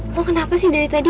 oh kenapa sih dari tadi